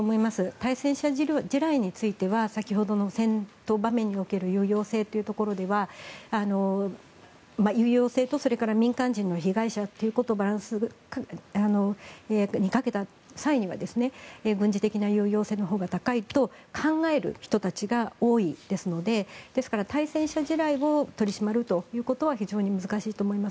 対戦車地雷については先ほどの戦闘場面における有用性というところとそれから民間人の被害者ということをバランスにかけた際には軍事的な要請のほうが高いと考える人たちが多いですのでですから、対戦車地雷を取り締まるということは非常に難しいと思います。